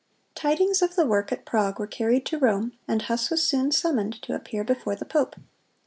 Tidings of the work at Prague were carried to Rome, and Huss was soon summoned to appear before the pope.